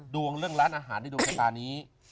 เรื่องร้านอาหารในดวงชะตานี้